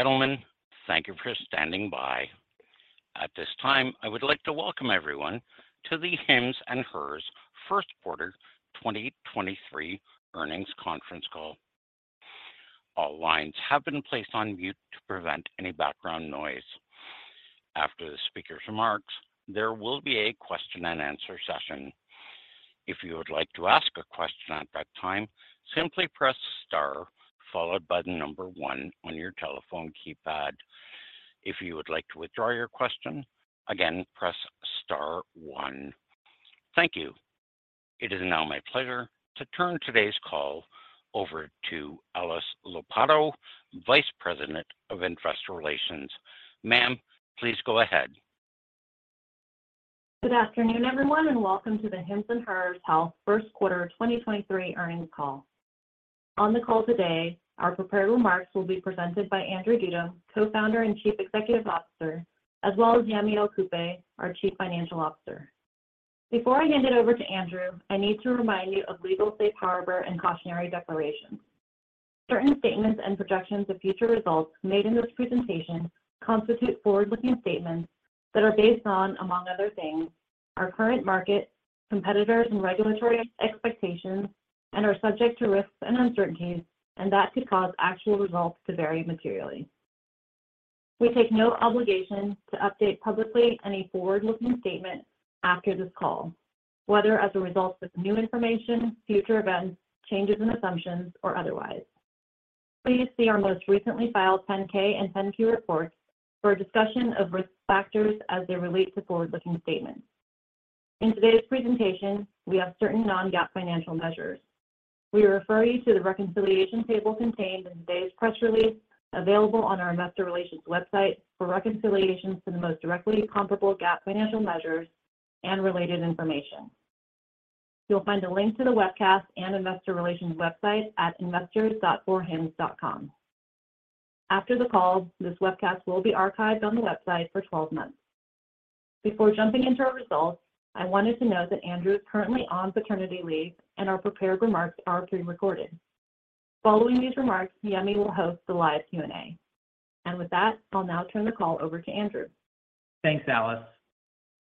Ladies and gentlemen, thank you for standing by. At this time, I would like to welcome everyone to the Hims & Hers first quarter 2023 earnings conference call. All lines have been placed on mute to prevent any background noise. After the speaker's remarks, there will be a question and answer session. If you would like to ask a question at that time, simply press star followed by one on your telephone keypad. If you would like to withdraw your question, again, press star one. Thank you. It is now my pleasure to turn today's call over to Alice Lopatto, Vice President of Investor Relations. Ma'am, please go ahead. Good afternoon, everyone, and welcome to the Hims & Hers Health first quarter 2023 earnings call. On the call today, our prepared remarks will be presented by Andrew Dudum, Co-founder and Chief Executive Officer, as well as Yemi Okupe, our Chief Financial Officer. Before I hand it over to Andrew, I need to remind you of legal safe harbor and cautionary declarations. Certain statements and projections of future results made in this presentation constitute forward-looking statements that are based on, among other things, our current market, competitors, and regulatory expectations and are subject to risks and uncertainties and that could cause actual results to vary materially. We take no obligation to update publicly any forward-looking statement after this call, whether as a result of new information, future events, changes in assumptions, or otherwise. Please see our most recently filed 10-K and 10-Q reports for a discussion of risk factors as they relate to forward-looking statements. In today's presentation, we have certain non-GAAP financial measures. We refer you to the reconciliation table contained in today's press release available on our investor relations website for reconciliation to the most directly comparable GAAP financial measures and related information. You'll find a link to the webcast and investor relations website at investors.forhims.com. After the call, this webcast will be archived on the website for 12 months. Before jumping into our results, I wanted to note that Andrew is currently on paternity leave and our prepared remarks are pre-recorded. Following these remarks, Yemi will host the live Q&A. With that, I'll now turn the call over to Andrew. Thanks, Alice.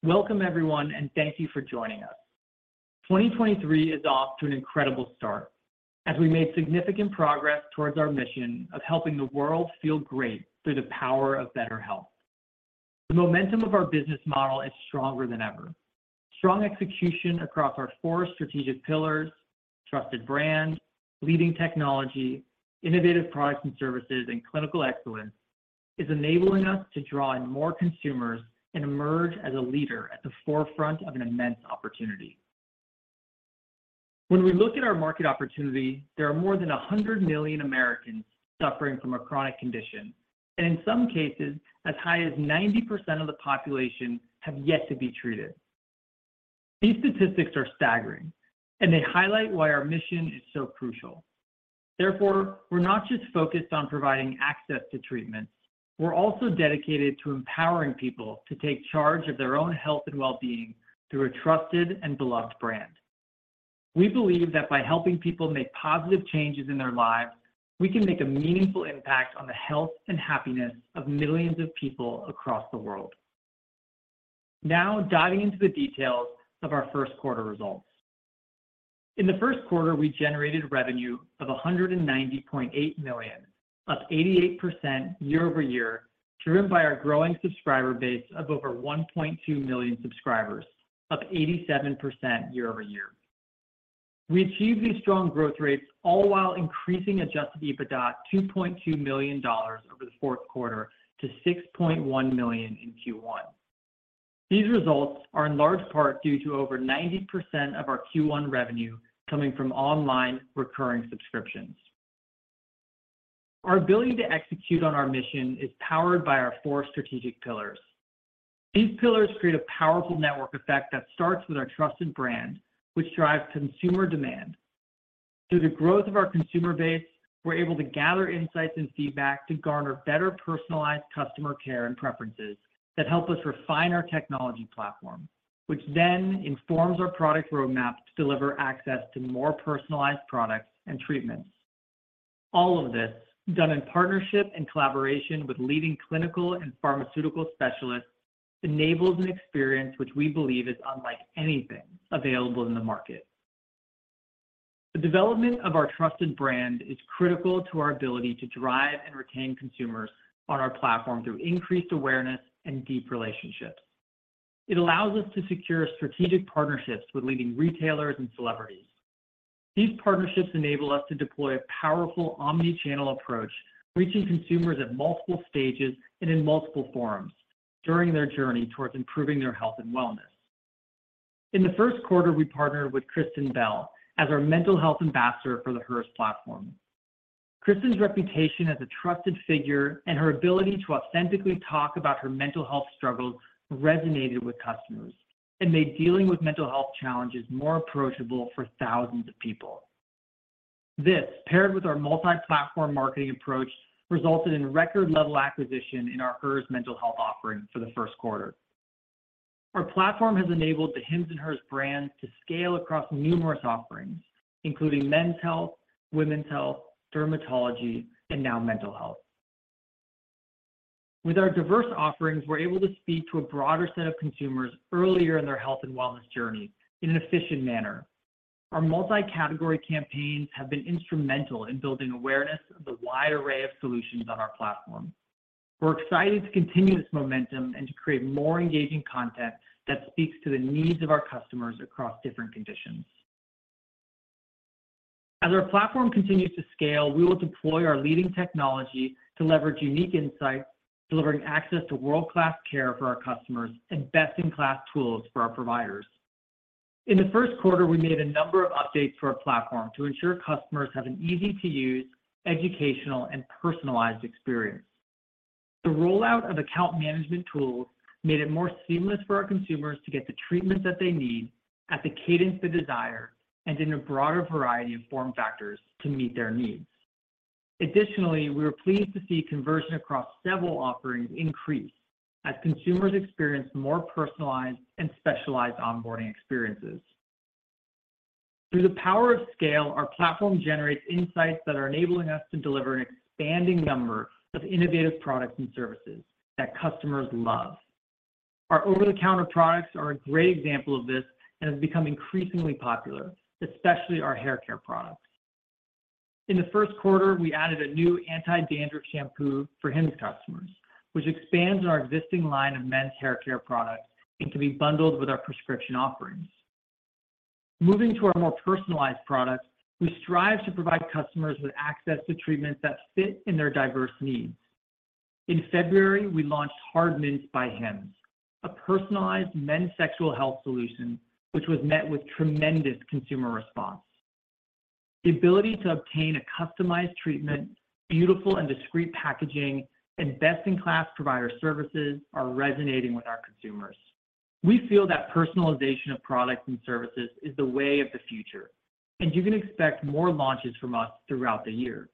Welcome, everyone, and thank you for joining us. 2023 is off to an incredible start as we made significant progress towards our mission of helping the world feel great through the power of better health. The momentum of our business model is stronger than ever. Strong execution across our four strategic pillars: trusted brand, leading technology, innovative products and services, and clinical excellence is enabling us to draw in more consumers and emerge as a leader at the forefront of an immense opportunity. When we look at our market opportunity, there are more than 100 million Americans suffering from a chronic condition, and in some cases, as high as 90% of the population have yet to be treated. These statistics are staggering, and they highlight why our mission is so crucial. Therefore, we're not just focused on providing access to treatments, we're also dedicated to empowering people to take charge of their own health and well-being through a trusted and beloved brand. We believe that by helping people make positive changes in their lives, we can make a meaningful impact on the health and happiness of millions of people across the world. Now, diving into the details of our first quarter results. In the first quarter, we generated revenue of $190.8 million, up 88% year-over-year, driven by our growing subscriber base of over 1.2 million subscribers, up 87% year-over-year. We achieved these strong growth rates all while increasing Adjusted EBITDA $2.2 million over the fourth quarter to $6.1 million in Q1. These results are in large part due to over 90% of our Q1 revenue coming from online recurring subscriptions. Our ability to execute on our mission is powered by our four strategic pillars. These pillars create a powerful network effect that starts with our trusted brand, which drives consumer demand. Through the growth of our consumer base, we're able to gather insights and feedback to garner better personalized customer care and preferences that help us refine our technology platform, which then informs our product roadmap to deliver access to more personalized products and treatments. All of this done in partnership and collaboration with leading clinical and pharmaceutical specialists enables an experience which we believe is unlike anything available in the market. The development of our trusted brand is critical to our ability to drive and retain consumers on our platform through increased awareness and deep relationships. It allows us to secure strategic partnerships with leading retailers and celebrities. These partnerships enable us to deploy a powerful omnichannel approach, reaching consumers at multiple stages and in multiple forums during their journey towards improving their health and wellness. In the first quarter, we partnered with Kristen Bell as our mental health ambassador for the Hers platform. Kristen's reputation as a trusted figure and her ability to authentically talk about her mental health struggles resonated with customers and made dealing with mental health challenges more approachable for thousands of people. This, paired with our multi-platform marketing approach, resulted in record-level acquisition in our Hers mental health offering for the first quarter. Our platform has enabled the Hims & Hers brands to scale across numerous offerings, including men's health, women's health, dermatology, and now mental health. With our diverse offerings, we're able to speak to a broader set of consumers earlier in their health and wellness journey in an efficient manner. Our multi-category campaigns have been instrumental in building awareness of the wide array of solutions on our platform. We're excited to continue this momentum and to create more engaging content that speaks to the needs of our customers across different conditions. As our platform continues to scale, we will deploy our leading technology to leverage unique insights, delivering access to world-class care for our customers and best-in-class tools for our providers. In the first quarter, we made a number of updates to our platform to ensure customers have an easy-to-use, educational, and personalized experience. The rollout of account management tools made it more seamless for our consumers to get the treatments that they need at the cadence they desire and in a broader variety of form factors to meet their needs. Additionally, we were pleased to see conversion across several offerings increase as consumers experienced more personalized and specialized onboarding experiences. Through the power of scale, our platform generates insights that are enabling us to deliver an expanding number of innovative products and services that customers love. Our over-the-counter products are a great example of this and have become increasingly popular, especially our hair care products. In the first quarter, we added a new anti-dandruff shampoo for Hims customers, which expands on our existing line of men's hair care products and can be bundled with our prescription offerings. Moving to our more personalized products, we strive to provide customers with access to treatments that fit in their diverse needs. In February, we launched Hard Mints by Hims, a personalized men's sexual health solution, which was met with tremendous consumer response. The ability to obtain a customized treatment, beautiful and discreet packaging, and best-in-class provider services are resonating with our consumers. We feel that personalization of products and services is the way of the future, and you can expect more launches from us throughout the year.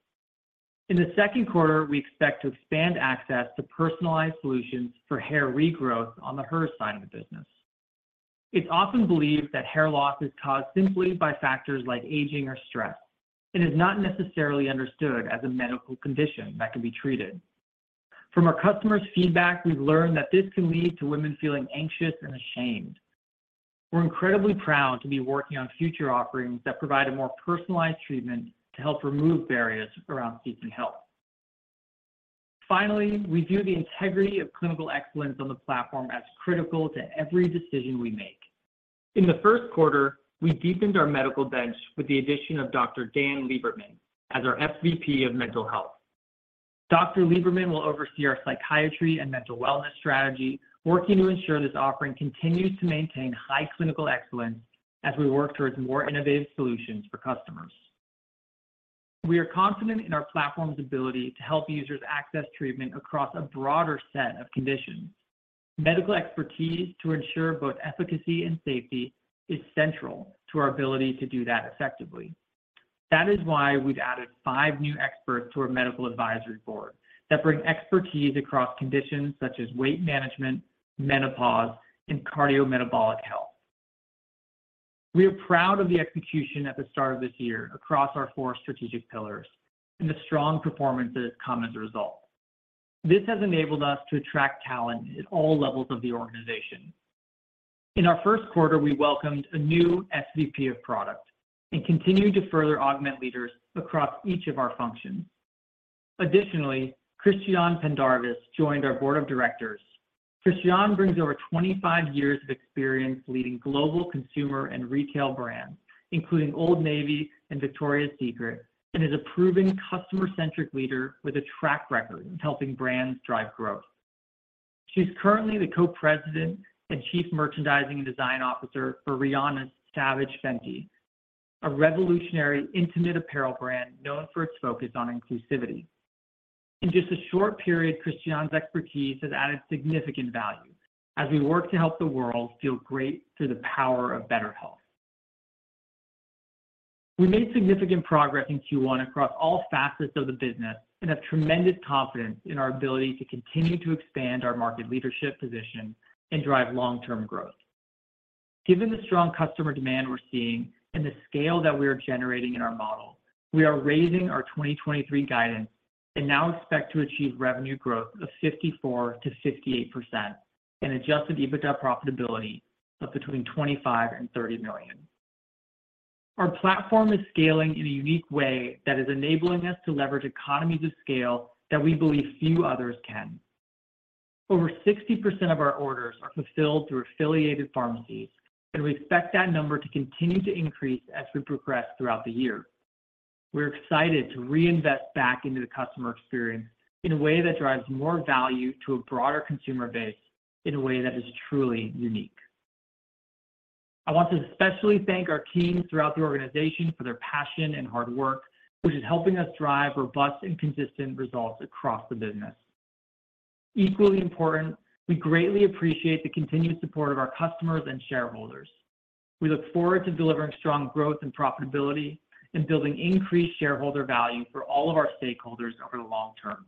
In the second quarter, we expect to expand access to personalized solutions for hair regrowth on the Hers side of the business. It's often believed that hair loss is caused simply by factors like aging or stress, and is not necessarily understood as a medical condition that can be treated. From our customers' feedback, we've learned that this can lead to women feeling anxious and ashamed. We're incredibly proud to be working on future offerings that provide a more personalized treatment to help remove barriers around seeking help. Finally, we view the integrity of clinical excellence on the platform as critical to every decision we make. In the first quarter, we deepened our medical bench with the addition of Dr. Dan Lieberman as our SVP of Mental Health. Dr. Lieberman will oversee our psychiatry and mental wellness strategy, working to ensure this offering continues to maintain high clinical excellence as we work towards more innovative solutions for customers. We are confident in our platform's ability to help users access treatment across a broader set of conditions. Medical expertise to ensure both efficacy and safety is central to our ability to do that effectively. That is why we've added five new experts to our medical advisory board that bring expertise across conditions such as weight management, menopause, and cardiometabolic health. We are proud of the execution at the start of this year across our four strategic pillars and the strong performance that has come as a result. This has enabled us to attract talent at all levels of the organization. In our first quarter, we welcomed a new SVP of product and continue to further augment leaders across each of our functions. Christiane Pendarvis joined our Board of Directors. Christiane brings over 25 years of experience leading global consumer and retail brands, including Old Navy and Victoria's Secret, and is a proven customer-centric leader with a track record in helping brands drive growth. She's currently the Co-President and Chief Merchandising and Design Officer for Rihanna's Savage X Fenty, a revolutionary intimate apparel brand known for its focus on inclusivity. In just a short period, Christiane's expertise has added significant value as we work to help the world feel great through the power of better health. We made significant progress in Q1 across all facets of the business and have tremendous confidence in our ability to continue to expand our market leadership position and drive long-term growth. Given the strong customer demand we're seeing and the scale that we are generating in our model, we are raising our 2023 guidance and now expect to achieve revenue growth of 54%-58% and Adjusted EBITDA profitability of between $25 million and $30 million. Our platform is scaling in a unique way that is enabling us to leverage economies of scale that we believe few others can. Over 60% of our orders are fulfilled through affiliated pharmacies, and we expect that number to continue to increase as we progress throughout the year. We're excited to reinvest back into the customer experience in a way that drives more value to a broader consumer base in a way that is truly unique. I want to especially thank our teams throughout the organization for their passion and hard work, which is helping us drive robust and consistent results across the business. Equally important, we greatly appreciate the continued support of our customers and shareholders. We look forward to delivering strong growth and profitability and building increased shareholder value for all of our stakeholders over the long term.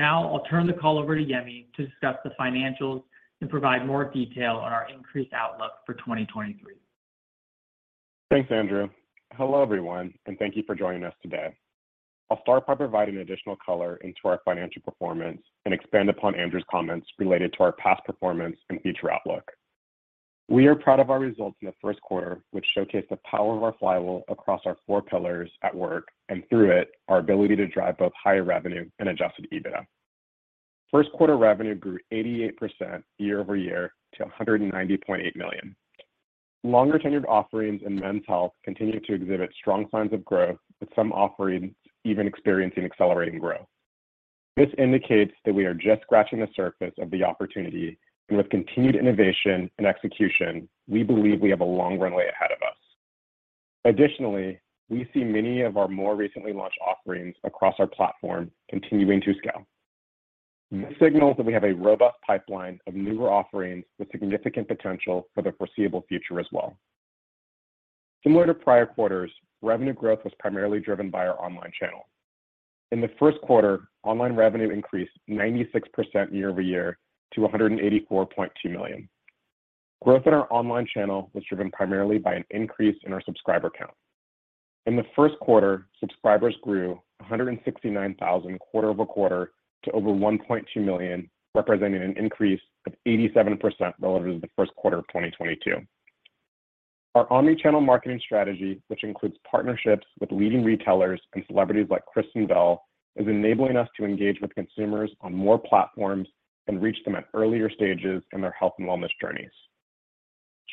I'll turn the call over to Yemi to discuss the financials and provide more detail on our increased outlook for 2023. Thanks, Andrew. Hello, everyone, and thank you for joining us today. I'll start by providing additional color into our financial performance and expand upon Andrew's comments related to our past performance and future outlook. We are proud of our results in the first quarter, which showcase the power of our flywheel across our four pillars at work, and through it, our ability to drive both higher revenue and Adjusted EBITDA. First quarter revenue grew 88% year-over-year to $190.8 million. Longer-tenured offerings in men's health continue to exhibit strong signs of growth, with some offerings even experiencing accelerating growth. This indicates that we are just scratching the surface of the opportunity, and with continued innovation and execution, we believe we have a long runway ahead of us. Additionally, we see many of our more recently launched offerings across our platform continuing to scale. This signals that we have a robust pipeline of newer offerings with significant potential for the foreseeable future as well. Similar to prior quarters, revenue growth was primarily driven by our online channel. In the first quarter, online revenue increased 96% year-over-year to $184.2 million. Growth in our online channel was driven primarily by an increase in our subscriber count. In the first quarter, subscribers grew 169,000 quarter-over-quarter to over 1.2 million, representing an increase of 87% relative to the first quarter of 2022. Our omnichannel marketing strategy, which includes partnerships with leading retailers and celebrities like Kristen Bell, is enabling us to engage with consumers on more platforms and reach them at earlier stages in their health and wellness journeys.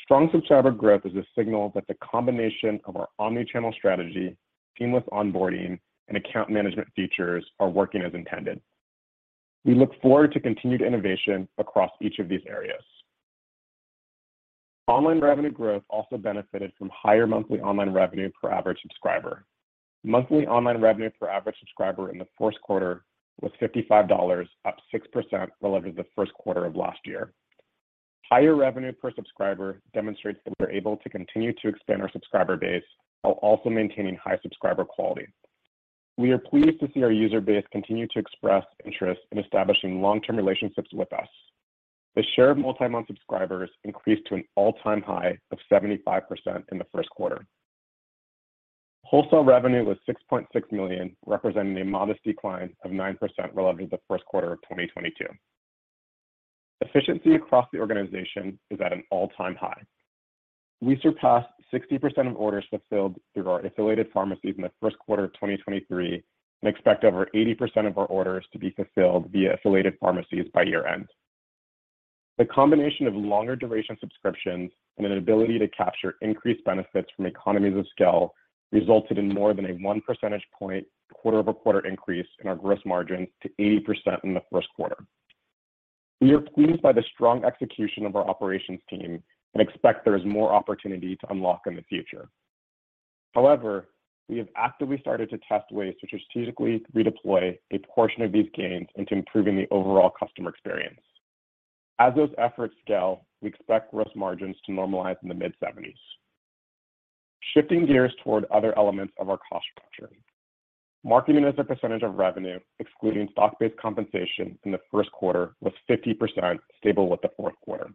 Strong subscriber growth is a signal that the combination of our omnichannel strategy, seamless onboarding, and account management features are working as intended. We look forward to continued innovation across each of these areas. Online revenue growth also benefited from higher monthly online revenue per average subscriber. Monthly online revenue per average subscriber in the fourth quarter was $55, up 6% relative to the first quarter of last year. Higher revenue per subscriber demonstrates that we're able to continue to expand our subscriber base while also maintaining high subscriber quality. We are pleased to see our user base continue to express interest in establishing long-term relationships with us. The share of multi-month subscribers increased to an all-time high of 75% in the first quarter. Wholesale revenue was $6.6 million, representing a modest decline of 9% relative to the first quarter of 2022. Efficiency across the organization is at an all-time high. We surpassed 60% of orders fulfilled through our affiliated pharmacies in the first quarter of 2023 and expect over 80% of our orders to be fulfilled via affiliated pharmacies by year-end. The combination of longer duration subscriptions and an ability to capture increased benefits from economies of scale resulted in more than a 1 percentage point quarter-over-quarter increase in our gross margins to 80% in the first quarter. We are pleased by the strong execution of our operations team and expect there is more opportunity to unlock in the future. However, we have actively started to test ways to strategically redeploy a portion of these gains into improving the overall customer experience. As those efforts scale, we expect gross margins to normalize in the mid-70s. Shifting gears toward other elements of our cost structure. Marketing as a percentage of revenue, excluding stock-based compensation in the first quarter, was 50%, stable with the fourth quarter.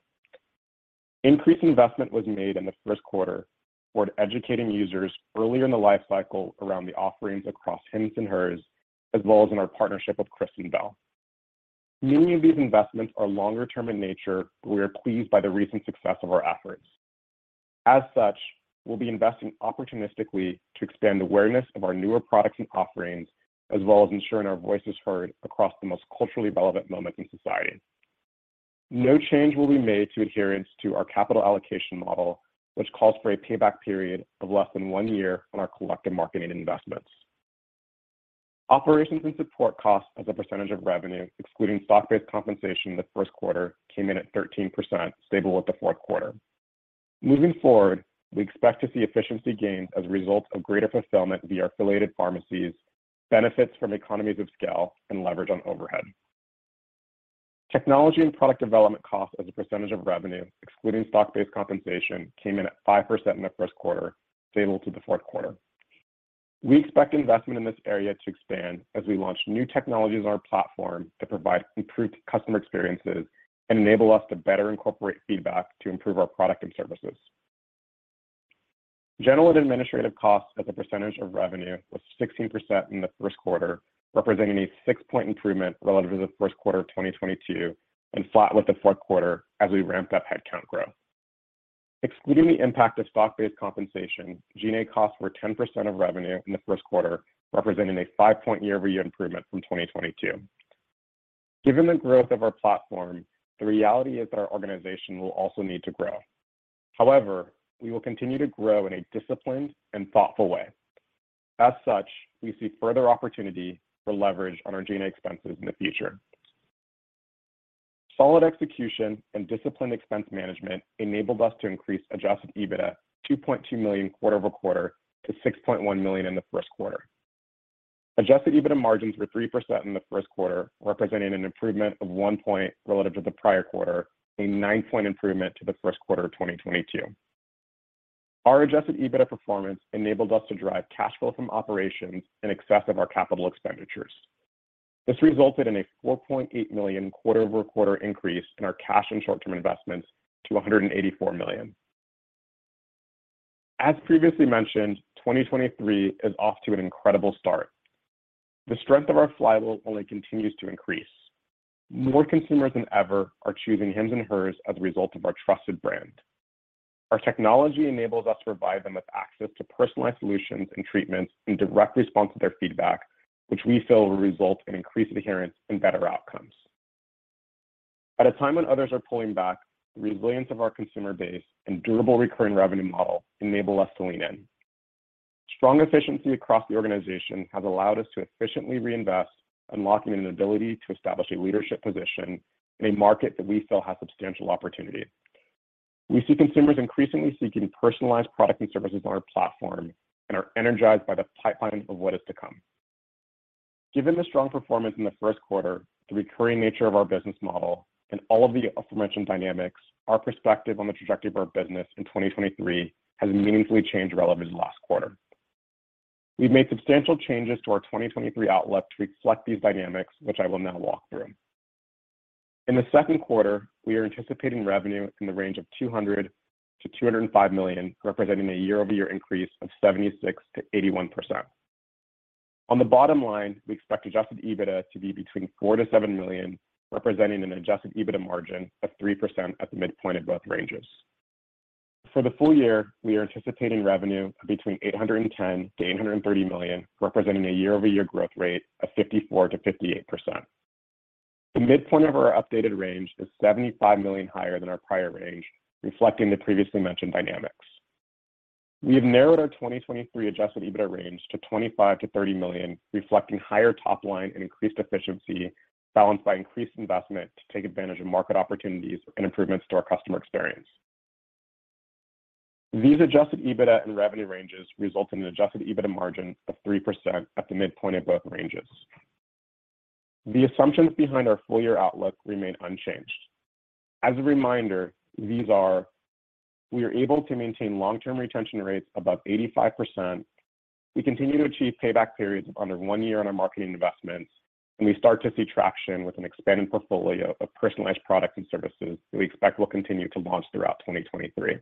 Increased investment was made in the first quarter toward educating users earlier in the life cycle around the offerings across Hims and Hers, as well as in our partnership with Kristen Bell. Many of these investments are longer term in nature, but we are pleased by the recent success of our efforts. As such, we'll be investing opportunistically to expand awareness of our newer products and offerings, as well as ensuring our voice is heard across the most culturally relevant moments in society. No change will be made to adherence to our capital allocation model, which calls for a payback period of less than one year on our collective marketing investments. Operations and support costs as a percentage of revenue, excluding stock-based compensation in the first quarter, came in at 13%, stable with the fourth quarter. Moving forward, we expect to see efficiency gains as a result of greater fulfillment via affiliated pharmacies, benefits from economies of scale, and leverage on overhead. Technology and product development costs as a percentage of revenue, excluding stock-based compensation, came in at 5% in the first quarter, stable to the fourth quarter. We expect investment in this area to expand as we launch new technologies on our platform to provide improved customer experiences and enable us to better incorporate feedback to improve our product and services. General and administrative costs as a percentage of revenue was 16% in the first quarter, representing a six-point improvement relative to the first quarter of 2022 and flat with the fourth quarter as we ramp up headcount growth. Excluding the impact of stock-based compensation, G&A costs were 10% of revenue in the first quarter, representing a five-point year-over-year improvement from 2022. Given the growth of our platform, the reality is that our organization will also need to grow. However, we will continue to grow in a disciplined and thoughtful way. As such, we see further opportunity for leverage on our G&A expenses in the future. Solid execution and disciplined expense management enabled us to increase Adjusted EBITDA $2.2 million quarter-over-quarter to $6.1 million in the first quarter. Adjusted EBITDA margins were 3% in the first quarter, representing an improvement of 1 point relative to the prior quarter, a 9-point improvement to the first quarter of 2022. Our Adjusted EBITDA performance enabled us to drive cash flow from operations in excess of our capital expenditures. This resulted in a $4.8 million quarter-over-quarter increase in our cash and short-term investments to $184 million. As previously mentioned, 2023 is off to an incredible start. The strength of our flywheel only continues to increase. More consumers than ever are choosing Hims & Hers as a result of our trusted brand. Our technology enables us to provide them with access to personalized solutions and treatments in direct response to their feedback, which we feel will result in increased adherence and better outcomes. At a time when others are pulling back, the resilience of our consumer base and durable recurring revenue model enable us to lean in. Strong efficiency across the organization has allowed us to efficiently reinvest, unlocking an ability to establish a leadership position in a market that we feel has substantial opportunity. We see consumers increasingly seeking personalized products and services on our platform and are energized by the pipeline of what is to come. Given the strong performance in the first quarter, the recurring nature of our business model and all of the aforementioned dynamics, our perspective on the trajectory of our business in 2023 has meaningfully changed relevant to last quarter. We've made substantial changes to our 2023 outlook to reflect these dynamics, which I will now walk through. In the second quarter, we are anticipating revenue in the range of $200 million-$205 million, representing a year-over-year increase of 76%-81%. On the bottom line, we expect Adjusted EBITDA to be between $4 million-$7 million, representing an Adjusted EBITDA margin of 3% at the midpoint of both ranges. For the full year, we are anticipating revenue between $810 million-$830 million, representing a year-over-year growth rate of 54%-58%. The midpoint of our updated range is $75 million higher than our prior range, reflecting the previously mentioned dynamics. We have narrowed our 2023 Adjusted EBITDA range to $25 million-$30 million, reflecting higher top line and increased efficiency, balanced by increased investment to take advantage of market opportunities and improvements to our customer experience. These Adjusted EBITDA and revenue ranges result in an Adjusted EBITDA margin of 3% at the midpoint of both ranges. The assumptions behind our full year outlook remain unchanged. As a reminder, these are: we are able to maintain long-term retention rates above 85%. We continue to achieve payback periods of under one year on our marketing investments, and we start to see traction with an expanding portfolio of personalized products and services that we expect will continue to launch throughout 2023.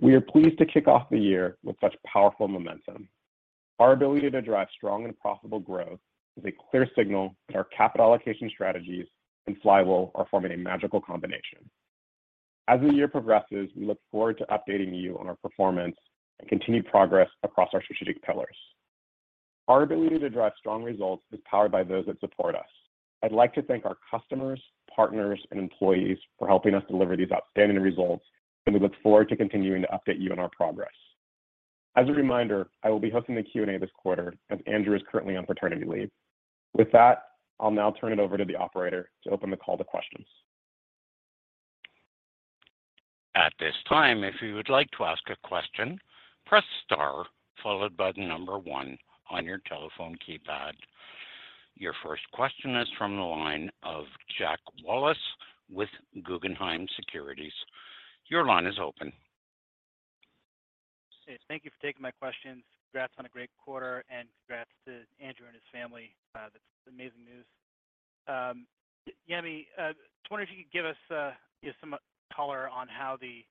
We are pleased to kick off the year with such powerful momentum. Our ability to drive strong and profitable growth is a clear signal that our capital allocation strategies and flywheel are forming a magical combination. As the year progresses, we look forward to updating you on our performance and continued progress across our strategic pillars. Our ability to drive strong results is powered by those that support us. I'd like to thank our customers, partners, and employees for helping us deliver these outstanding results, and we look forward to continuing to update you on our progress. As a reminder, I will be hosting the Q&A this quarter, as Andrew is currently on paternity leave. With that, I'll now turn it over to the operator to open the call to questions. At this time, if you would like to ask a question, press star followed by one on your telephone keypad. Your first question is from the line of Jack Wallace with Guggenheim Securities. Your line is open. Thank you for taking my questions. Congrats on a great quarter. Congrats to Andrew Dudum and his family. That's amazing news. Yemi, just wondering if you could give us some color on how the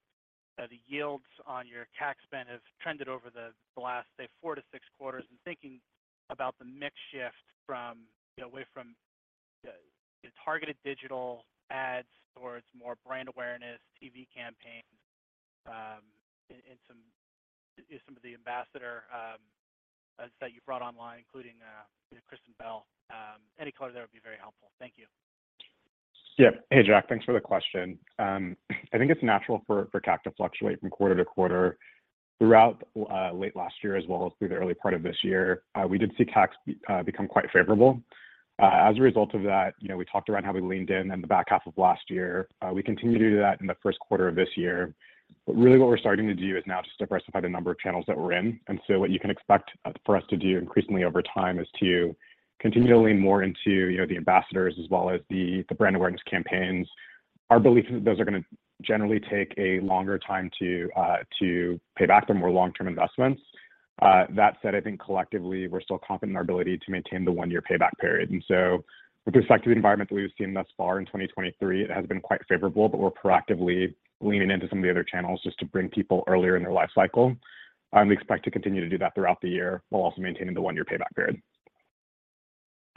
yields on your CAC spend have trended over the last, say, four to six quarters. I'm thinking about the mix shift from, you know, away from the targeted digital ads towards more brand awareness TV campaigns, and some of the ambassador that you've brought online, including, you know, Kristen Bell. Any color there would be very helpful. Thank you. Yeah. Hey, Jack. Thanks for the question. I think it's natural for CAC to fluctuate from quarter to quarter. Throughout late last year as well as through the early part of this year, we did see CACs become quite favorable. As a result of that, you know, we talked about how we leaned in in the back half of last year. We continue to do that in the first quarter of this year. Really what we're starting to do is now just diversify the number of channels that we're in. What you can expect for us to do increasingly over time is to continually lean more into, you know, the ambassadors as well as the brand awareness campaigns. Our belief is those are gonna generally take a longer time to pay back. They're more long-term investments. That said, I think collectively, we're still confident in our ability to maintain the one-year payback period. With respect to the environment that we've seen thus far in 2023, it has been quite favorable, but we're proactively leaning into some of the other channels just to bring people earlier in their life cycle. We expect to continue to do that throughout the year while also maintaining the one-year payback period.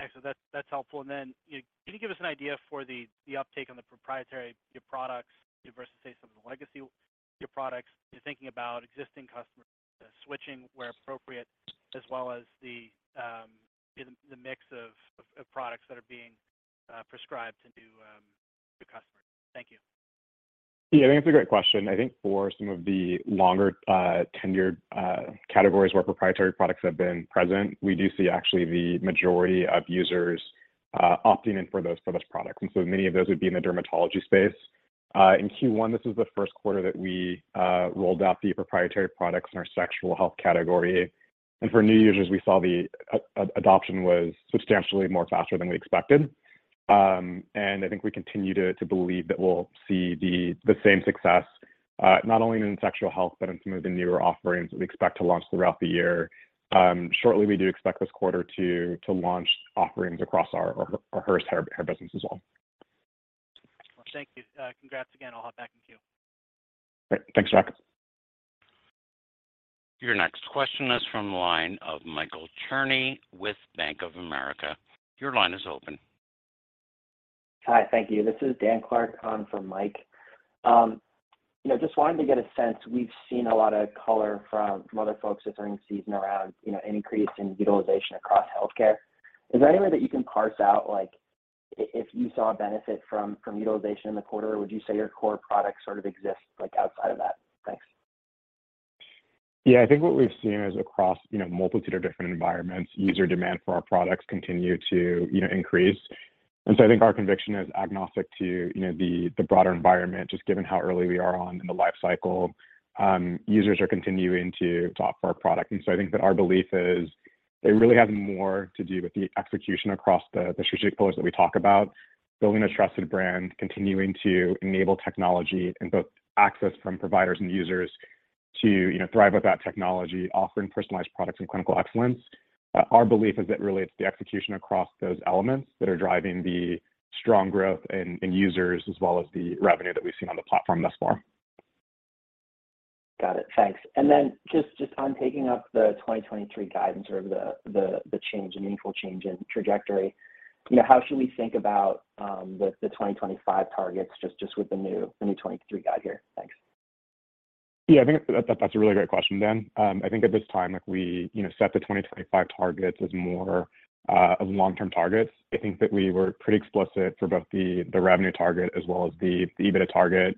Actually, that's helpful. Can you give us an idea for the uptake on the proprietary, your products versus, say, some of the legacy, your products? You're thinking about existing customers switching where appropriate as well as the mix of products that are being prescribed to new customers. Thank you. Yeah, I think that's a great question. I think for some of the longer, tenured, categories where proprietary products have been present, we do see actually the majority of users, opting in for those products. Many of those would be in the dermatology space. In Q1, this is the first quarter that we rolled out the proprietary products in our sexual health category. For new users, we saw the adoption was substantially more faster than we expected, and I think we continue to believe that we'll see the same success, not only in sexual health, but in some of the newer offerings that we expect to launch throughout the year. Shortly, we do expect this quarter to launch offerings across our Hers hair business as well. Excellent. Thank you. Congrats again. I'll hop back in queue. Great. Thanks, Jack. Your next question is from the line of Michael Cherny with Bank of America. Your line is open. Hi. Thank you. This is Dan Clark on for Mike. you know, just wanted to get a sense, we've seen a lot of color from some other folks this earnings season around, you know, an increase in utilization across healthcare. Is there any way that you can parse out, like, if you saw a benefit from utilization in the quarter? Would you say your core product sort of exists like outside of that? Thanks. Yeah. I think what we've seen is across, you know, a multitude of different environments, user demand for our products continue to, you know, increase. I think our conviction is agnostic to, you know, the broader environment, just given how early we are on in the life cycle. Users are continuing to opt for our product. I think that our belief is it really has more to do with the execution across the strategic pillars that we talk about, building a trusted brand, continuing to enable technology, and both access from providers and users to, you know, thrive with that technology, offering personalized products and clinical excellence. Our belief is that really it's the execution across those elements that are driving the strong growth in users as well as the revenue that we've seen on the platform thus far. Got it. Thanks. Then just on taking up the 2023 guidance or the annual change in trajectory, you know, how should we think about the 2025 targets just with the new 2023 guide here? Thanks. Yeah, I think that's a really great question, Dan. I think at this time, like we, set the 2025 targets as more of long-term targets. I think that we were pretty explicit for both the revenue target as well as the EBITDA target.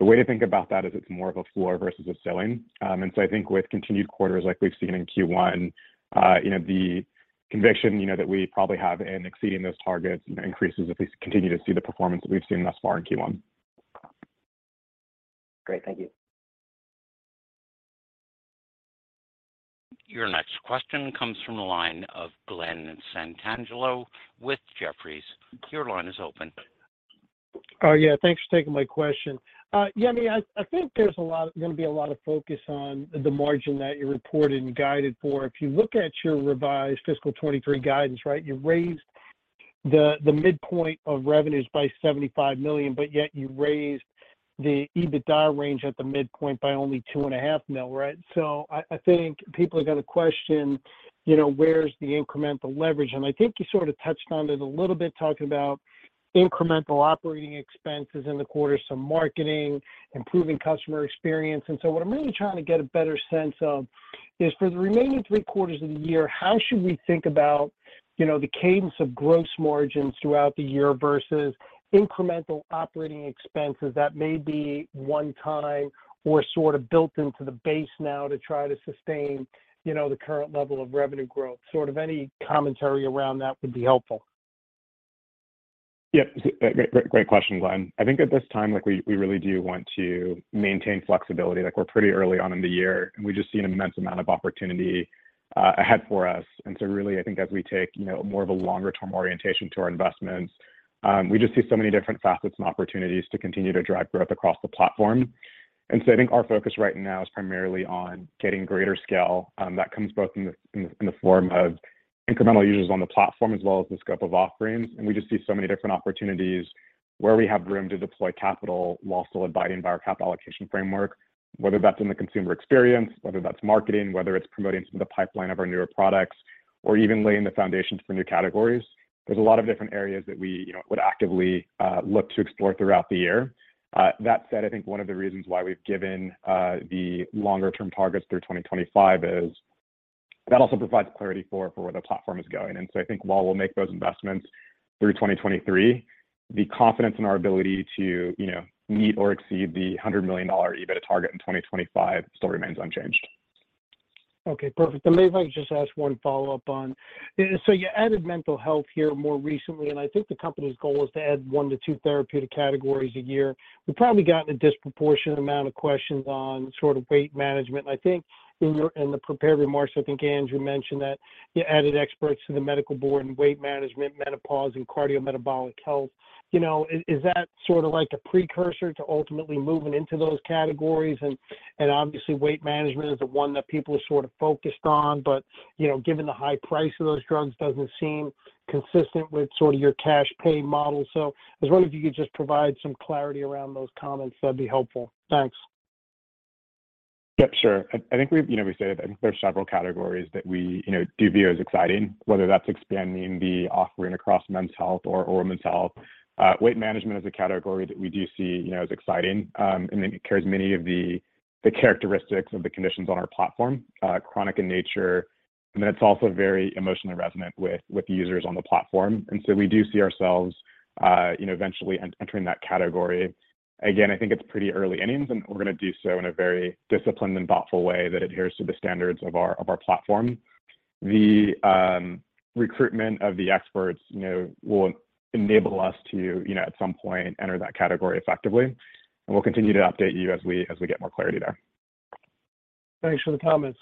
The way to think about that is it's more of a floor versus a ceiling. I think with continued quarters like we've seen in Q1, the conviction that we probably have in exceeding those targets increases if we continue to see the performance that we've seen thus far in Q1. Great. Thank you. Your next question comes from the line of Glen Santangelo with Jefferies. Your line is open. Thanks for taking my question. Yemi, I think there's gonna be a lot of focus on the margin that you reported and guided for. If you look at your revised fiscal 23 guidance, right, you raised the midpoint of revenues by $75 million, yet you raised the EBITDA range at the midpoint by only $2.5 million, right? I think people are gonna question, you know, where's the incremental leverage? I think you sort of touched on it a little bit talking about incremental operating expenses in the quarter, some marketing, improving customer experience. What I'm really trying to get a better sense of is for the remaining three quarters of the year, how should we think about, you know, the cadence of gross margins throughout the year versus incremental operating expenses that may be one time or sort of built into the base now to try to sustain, you know, the current level of revenue growth? Sort of any commentary around that would be helpful. Yep. Great question, Glenn. I think at this time, like we really do want to maintain flexibility. We're pretty early on in the year, and we just see an immense amount of opportunity ahead for us. Really, I think as we take, you know, more of a longer term orientation to our investments, we just see so many different facets and opportunities to continue to drive growth across the platform. I think our focus right now is primarily on getting greater scale, that comes both in the form of incremental users on the platform as well as the scope of offerings. We just see so many different opportunities where we have room to deploy capital whilst still abiding by our capital allocation framework, whether that's in the consumer experience, whether that's marketing, whether it's promoting some of the pipeline of our newer products or even laying the foundation for new categories. There's a lot of different areas that we, you know, would actively look to explore throughout the year. That said, I think one of the reasons why we've given the longer term targets through 2025 is that also provides clarity for where the platform is going. I think while we'll make those investments through 2023, the confidence in our ability to, you know, meet or exceed the $100 million EBITDA target in 2025 still remains unchanged. Okay, perfect. Maybe if I could just ask one follow-up on. You added mental health here more recently, and I think the company's goal is to add one to two therapeutic categories a year. We probably gotten a disproportionate amount of questions on sort of weight management. I think in the prepared remarks, I think Andrew mentioned that you added experts to the medical board in weight management, menopause, and cardiometabolic health. You know, is that sort of like a precursor to ultimately moving into those categories? Obviously, weight management is the one that people are sort of focused on, but, you know, given the high price of those drugs doesn't seem consistent with sort of your cash pay model. I was wondering if you could just provide some clarity around those comments. That'd be helpful. Thanks. Yep, sure. I think we've you know, we said I think there's several categories that we, you know, do view as exciting, whether that's expanding the offering across men's health or women's health. Weight management is a category that we do see, you know, as exciting, and it carries many of the characteristics of the conditions on our platform, chronic in nature, and then it's also very emotionally resonant with users on the platform. We do see ourselves, you know, eventually entering that category. Again, I think it's pretty early innings, and we're gonna do so in a very disciplined and thoughtful way that adheres to the standards of our platform. The recruitment of the experts, you know, will enable us to, you know, at some point enter that category effectively, and we'll continue to update you as we, as we get more clarity there. Thanks for the comments.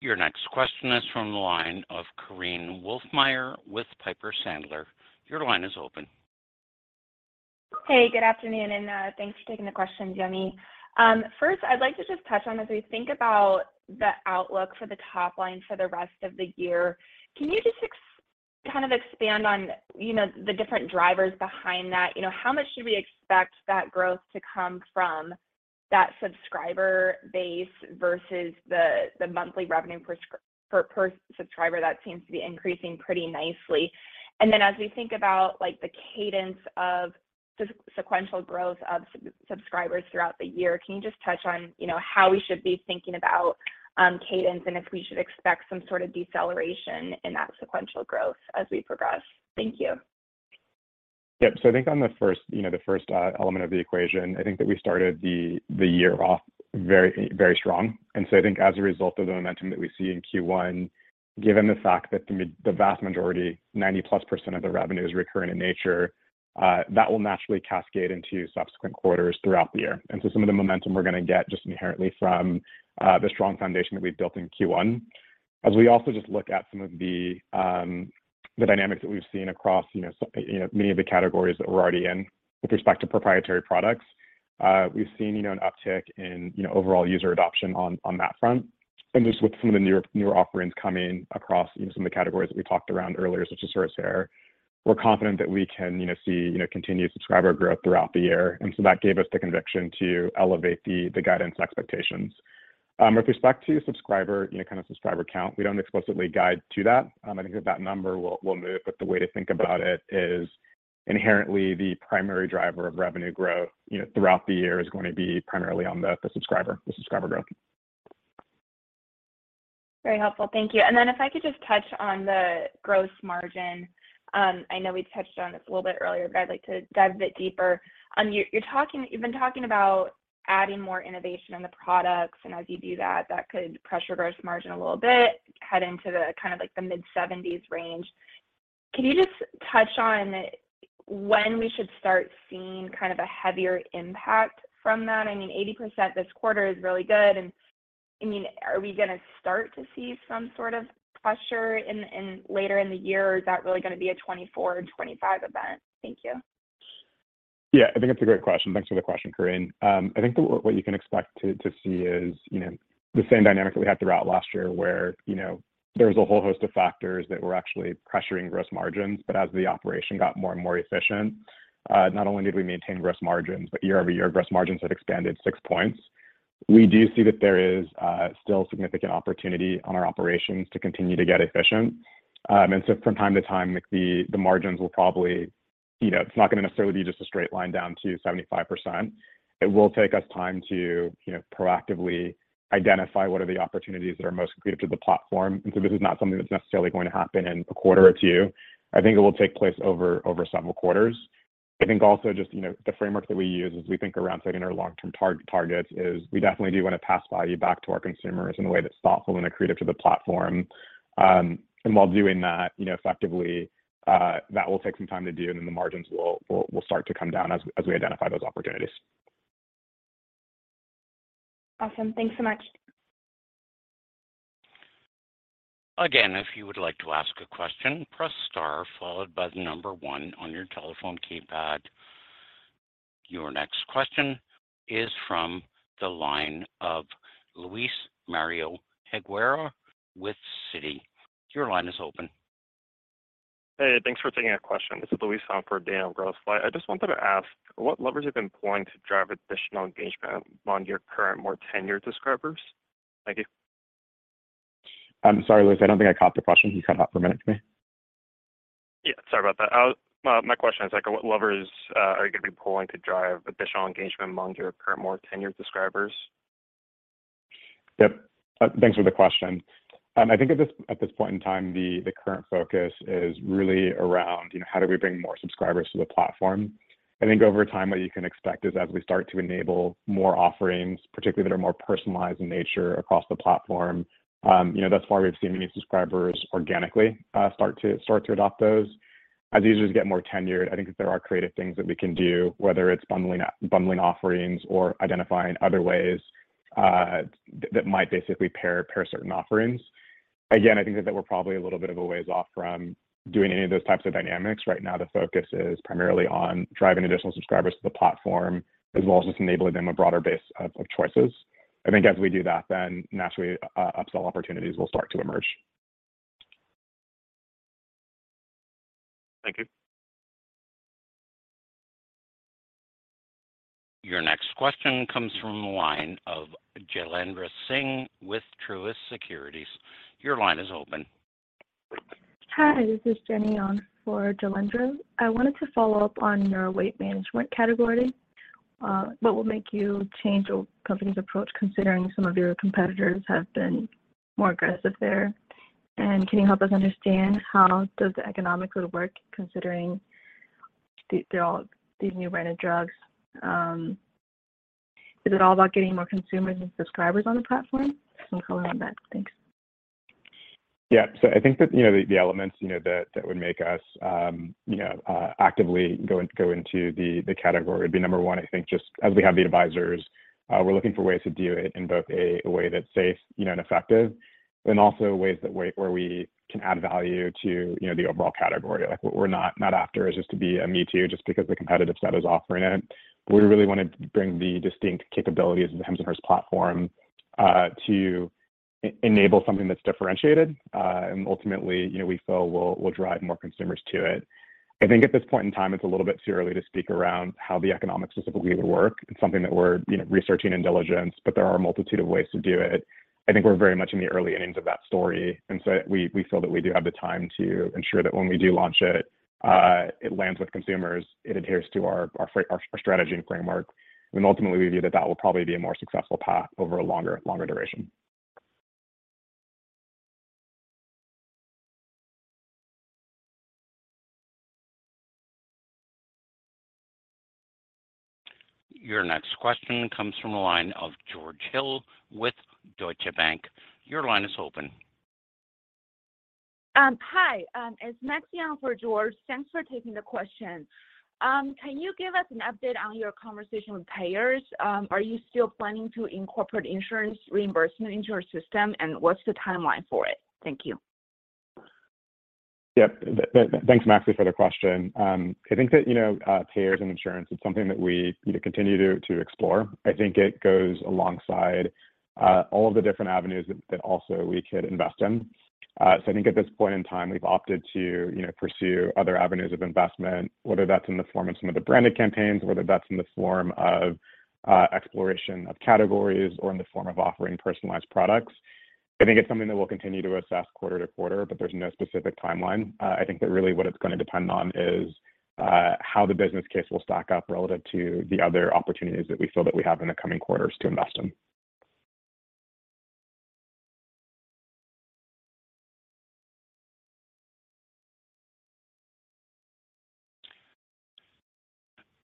Your next question is from the line of Korinne Wolfmeyer with Piper Sandler. Your line is open. Hey, good afternoon, thanks for taking the question, Yemi. First I'd like to just touch on, as we think about the outlook for the top line for the rest of the year, can you just expand on, you know, the different drivers behind that? You know, how much should we expect that growth to come from that subscriber base versus the monthly revenue per subscriber that seems to be increasing pretty nicely. As we think about, like, the cadence of sequential growth of subscribers throughout the year, can you just touch on, you know, how we should be thinking about cadence and if we should expect some sort of deceleration in that sequential growth as we progress? Thank you. Yep. I think on the first, you know, the first element of the equation, I think that we started the year off very, very strong. I think as a result of the momentum that we see in Q1, given the fact that the vast majority, 90%+ of the revenue is recurring in nature, that will naturally cascade into subsequent quarters throughout the year. Some of the momentum we're gonna get just inherently from the strong foundation that we've built in Q1. As we also just look at some of the dynamics that we've seen across, you know, so, you know, many of the categories that we're already in with respect to proprietary products, we've seen, you know, an uptick in, you know, overall user adoption on that front. Just with some of the newer offerings coming across, you know, some of the categories that we talked around earlier, such as Haircare, we're confident that we can, you know, see, you know, continued subscriber growth throughout the year. That gave us the conviction to elevate the guidance expectations. With respect to subscriber count, we don't explicitly guide to that. I think that number will move, but the way to think about it is inherently the primary driver of revenue growth, you know, throughout the year is going to be primarily on the subscriber growth. Very helpful. Thank you. If I could just touch on the gross margin. I know we touched on this a little bit earlier, but I'd like to dive a bit deeper. You've been talking about adding more innovation in the products, and as you do that could pressure gross margin a little bit, head into the kind of like the mid-70s range. Can you just touch on when we should start seeing kind of a heavier impact from that? I mean, 80% this quarter is really good and, I mean, are we gonna start to see some sort of pressure in later in the year, or is that really gonna be a 2024 or 2025 event? Thank you. I think that's a great question. Thanks for the question, Korinne. I think that what you can expect to see is, you know, the same dynamic that we had throughout last year where, you know, there was a whole host of factors that were actually pressuring gross margins. But as the operation got more and more efficient, not only did we maintain gross margins, but year-over-year, gross margins have expanded six points. We do see that there is still significant opportunity on our operations to continue to get efficient. From time to time, like the margins will probably. You know, it's not gonna necessarily be just a straight line down to 75%. It will take us time to, you know, proactively identify what are the opportunities that are most accretive to the platform. This is not something that's necessarily going to happen in a quarter or two. I think it will take place over several quarters. I think also just, you know, the framework that we use as we think around setting our long-term targets is we definitely do wanna pass value back to our consumers in a way that's thoughtful and accretive to the platform. While doing that, you know, effectively, that will take some time to do, and then the margins will start to come down as we identify those opportunities. Awesome. Thanks so much. Again, if you would like to ask a question, press star followed by the one on your telephone keypad. Your next question is from the line of Luis Mario Higuera with Citi. Your line is open. Hey, thanks for taking a question. This is Luis on for Daniel Grosslight. I just wanted to ask, what levers are you employing to drive additional engagement among your current more tenured subscribers? Thank you. I'm sorry, Luis. I don't think I caught the question. You cut out for a minute for me. Yeah, sorry about that. My question is like what levers, are you gonna be pulling to drive additional engagement among your current more tenured subscribers? Yep. Thanks for the question. I think at this point in time, the current focus is really around, you know, how do we bring more subscribers to the platform. I think over time, what you can expect is as we start to enable more offerings, particularly that are more personalized in nature across the platform, you know, thus far we've seen many subscribers organically, start to adopt those. As users get more tenured, I think that there are creative things that we can do, whether it's bundling offerings or identifying other ways that might basically pair certain offerings. Again, I think that we're probably a little bit of a ways off from doing any of those types of dynamics. Right now, the focus is primarily on driving additional subscribers to the platform as well as just enabling them a broader base of choices. I think as we do that, naturally, upsell opportunities will start to emerge. Thank you. Your next question comes from the line of Jailendra Singh with Truist Securities. Your line is open. Hi, this is Jenny on for Jailendra. I wanted to follow up on your weight management category. What will make you change your company's approach considering some of your competitors have been more aggressive there? Can you help us understand how does the economics really work considering the all these new branded drugs? Is it all about getting more consumers and subscribers on the platform? Some color on that. Thanks. Yeah. I think that, you know, the elements, you know, that would make us, you know, actively go into the category would be number one, I think just as we have the advisors, we're looking for ways to do it in both a way that's safe, you know, and effective, and also ways that way where we can add value to, you know, the overall category. Like, what we're not after is just to be a me too, just because the competitive set is offering it. We really wanna bring the distinct capabilities of the Hims & Hers platform to e-enable something that's differentiated. Ultimately, you know, we feel we'll drive more consumers to it. I think at this point in time, it's a little bit too early to speak around how the economics specifically would work. It's something that we're, you know, researching in diligence, but there are a multitude of ways to do it. I think we're very much in the early innings of that story. We feel that we do have the time to ensure that when we do launch it lands with consumers, it adheres to our strategy and framework. Ultimately, we view that that will probably be a more successful path over a longer duration. Your next question comes from the line of George Hill with Deutsche Bank. Your line is open. Hi, it's Maxine for George. Thanks for taking the question. Can you give us an update on your conversation with payers? Are you still planning to incorporate insurance reimbursement into your system, and what's the timeline for it? Thank you. Yep. Thanks, Maxine, for the question. I think that, you know, payers and insurance is something that we, you know, continue to explore. I think it goes alongside all of the different avenues that also we could invest in. I think at this point in time, we've opted to, you know, pursue other avenues of investment, whether that's in the form of some of the branded campaigns, whether that's in the form of exploration of categories or in the form of offering personalized products. I think it's something that we'll continue to assess quarter to quarter, but there's no specific timeline. I think that really what it's gonna depend on is how the business case will stack up relative to the other opportunities that we feel that we have in the coming quarters to invest in.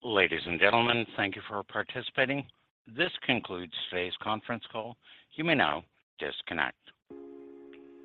Ladies and gentlemen, thank you for participating. This concludes today's conference call. You may now disconnect.